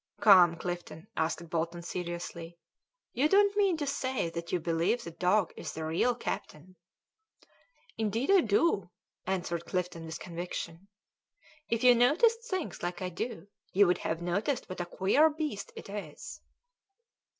"Come, Clifton," asked Bolton seriously, "you don't mean to say that you believe the dog is the real captain?" "Indeed I do," answered Clifton with conviction. "If you noticed things like I do, you would have noticed what a queer beast it is."